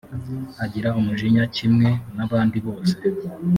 agira umujinya kimwe n abandi bose